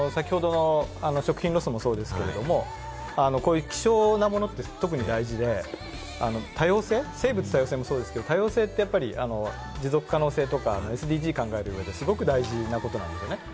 食品ロスもそうですけれども、希少なものって特に大事で、多様性、生物多様性もそうですけれども、多様性って持続可能性とか、ＳＤＧｓ感がすごく大事なことなんですよね。